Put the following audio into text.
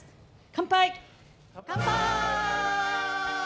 乾杯！